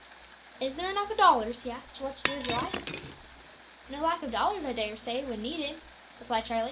"Is there enough o' dollars," he asked, "to let you do as ye like?" "No lack of dollars, I dare say, when needed," replied Charlie.